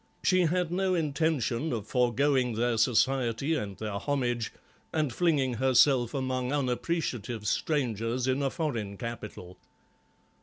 She had no intention of foregoing their society and their homage and flinging herself among unappreciative strangers in a foreign capital.